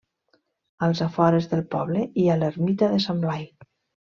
Als afores del poble hi ha l'Ermita de Sant Blai.